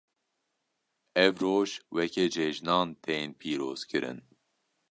Ev roj weke cejnan tên pîrozkirin.